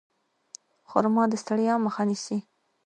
خرما د ستړیا مخه نیسي.